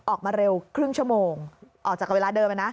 ออกมาเร็วครึ่งชั่วโมงออกจากกับเวลาเดิม